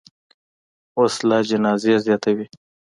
وسله جنازې زیاتوي